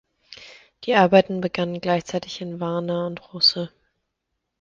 Die Arbeiten begannen gleichzeitig in Warna und Russe.